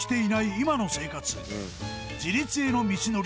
今の生活自立への道のり